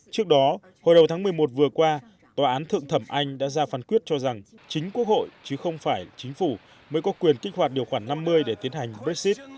trước đó hồi đầu tháng một mươi một vừa qua tòa án thượng thẩm anh đã ra phán quyết cho rằng chính quốc hội chứ không phải chính phủ mới có quyền kích hoạt điều khoản năm mươi để tiến hành brexit